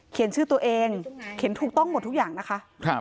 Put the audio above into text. ชื่อตัวเองเขียนถูกต้องหมดทุกอย่างนะคะ